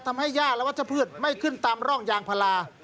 ทำให้ย่าและวัตเทพืชไม่ขึ้นตามร่องยางพลา